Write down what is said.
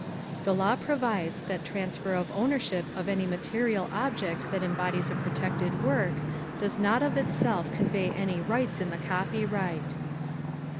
The law provides that transfer of ownership of any material object that embodies a protected work does not of itself convey any rights in the copyright.